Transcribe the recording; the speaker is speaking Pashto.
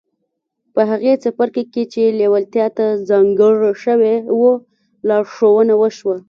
په هغه څپرکي کې چې لېوالتیا ته ځانګړی شوی و لارښوونه وشوه.